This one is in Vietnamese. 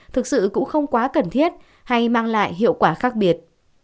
thực sự cũng không quá cần thiết hay mang lại hiệu quả khác biệt